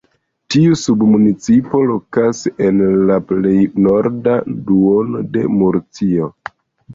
Tiu submunicipo lokas en la plej norda duono de Murcio.